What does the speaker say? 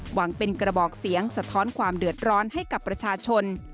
หวังเป็นกระบอกเสียงสะท้อนความเดือดร้อนให้กับประชาชน